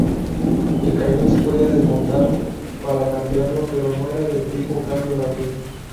El cañón se podía desmontar para cambiarlo, pero no era del tipo "cambio rápido".